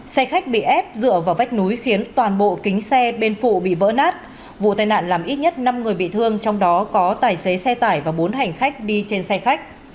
xe khách bị ép dựa vào vách núi khiến toàn bộ kính xe bên phụ bị vỡ nát vụ tai nạn làm ít nhất năm người bị thương trong đó có tài xế xe tải và bốn hành khách đi trên xe khách